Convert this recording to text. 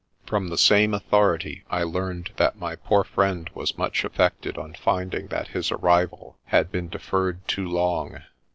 From the same authority I learned that my poor friend was much affected on finding that his arrival had been deferred too long.